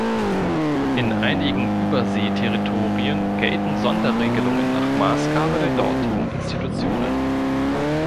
In einigen Überseeterritorien gelten Sonderregelungen nach Maßgabe der dortigen Institutionen.